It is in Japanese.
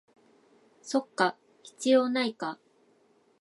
そっか、必要ないか